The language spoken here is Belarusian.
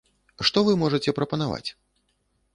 Што вы можаце прапанаваць?